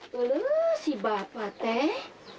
tolos si bapak teh